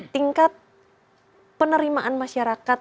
tingkat penerimaan masyarakat